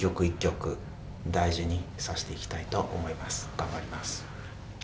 頑張ります。